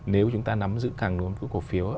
nếu chúng ta nắm giữ càng đúng cổ phiếu